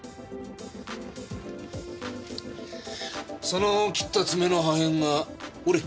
その切った爪の破片がほれ！